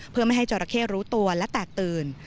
เพื่อไม่ให้จราเข้รู้ตัวและแตกตื่น